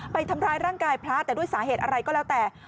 ไปทำร้ายร่างกายพระแต่ด้วยสาเหตุอะไรก็แล้วแต่